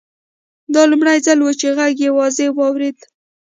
دا لومړی ځل و چې غږ یې واضح واورېد